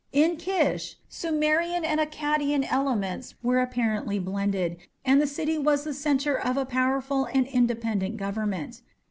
In Kish Sumerian and Akkadian elements had apparently blended, and the city was the centre of a powerful and independent government.